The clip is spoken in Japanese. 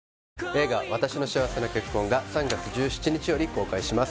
映画「わたしの幸せな結婚」が３月１７日より公開します